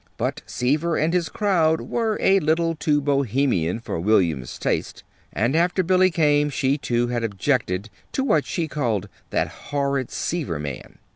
But Seaver and his crowd were a little too Bohemian for William's taste; and after Billy came, she, too, had objected to what she called "that horrid Seaver man."